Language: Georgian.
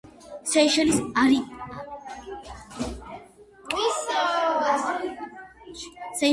სეიშელის არქიპელაგში ისინი ყველაზე სამხრეთი კუნძულებია.